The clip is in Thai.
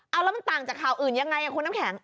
เอาแล้วมันต่างจากข่าวอื่นยังไงคุณน้ำแข็ง